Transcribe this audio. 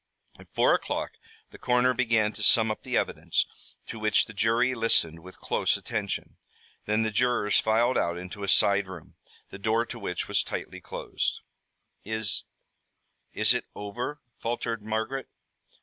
At four o'clock the coroner began to sum up the evidence, to which the jury listened with close attention. Then the jurors filed out into a side room, the door to which was tightly closed. "Is is it over?" faltered Margaret.